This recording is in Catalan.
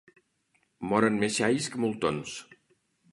Moren més xais que moltons.